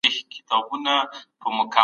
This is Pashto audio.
صنعتي کاروبار څنګه د تولید خطرونه کموي؟